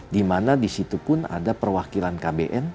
dimana disitu pun ada perwakilan kbn